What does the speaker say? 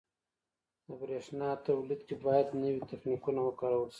• د برېښنا تولید کې باید نوي تخنیکونه وکارول شي.